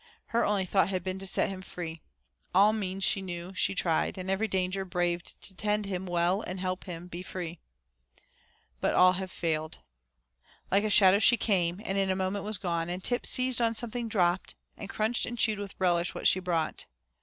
Her only thought had been to set him free. All means she knew she tried, and every danger braved to tend him well and help him to be free. But all had failed. Like a shadow she came and in a moment was gone, and Tip seized on something dropped, and crunched and chewed with relish what she brought.